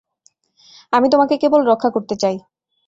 আমি তোমাকে কেবল রক্ষা করতে চাই।